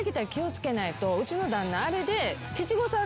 うちの旦那あれで。